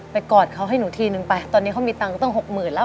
กอดเขาให้หนูทีนึงไปตอนนี้เขามีตังค์ตั้งหกหมื่นแล้ว